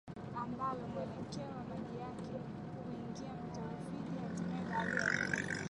ambalo mwelekeo wa maji yake huingia Mto Rufiji na hatimaye Bahari ya Hindi